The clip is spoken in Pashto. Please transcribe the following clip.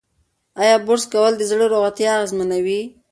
ایا برس کول د زړه روغتیا اغېزمنوي؟